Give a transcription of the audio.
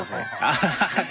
アハハハッ。